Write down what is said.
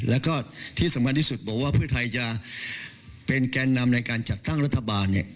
แล้วก็ที่สำคัญที่สุดบอกว่าเพื่อไทยจะเป็นแกนนำในการจัดตั้งรัฐบาล